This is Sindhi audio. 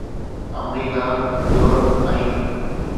آمريڪا، يورپ ۽